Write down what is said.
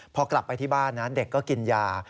พอกลับไปที่บ้านนะเด็กก็กินยา